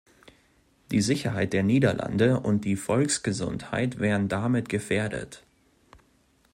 Die Sicherheit der Niederlande und die Volksgesundheit wären damit gefährdet.